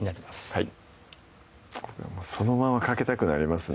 はいそのままかけたくなりますね